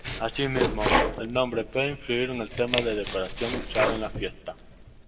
Asimismo el nombre puede influir en el tema de decoración usado en la fiesta.